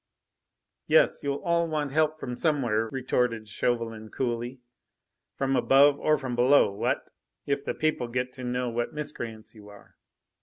"Yes, you'll all want help from somewhere," retorted Chauvelin coolly. "From above or from below, what? if the people get to know what miscreants you are.